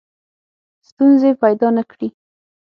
ستونزې پیدا نه کړي.